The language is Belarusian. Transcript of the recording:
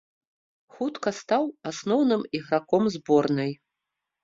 Хутка стаў асноўным іграком зборнай.